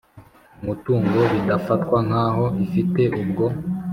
umutungo bidafatwa nk aho ifite ubwo